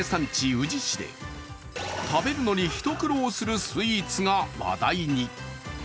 宇治市で食べるのに一苦労するスイーツが話題に。